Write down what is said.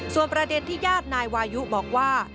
ส่วนประเด็นที่ญาตินายวายุบอกว่า